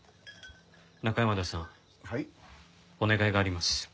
中山田さんお願いがあります。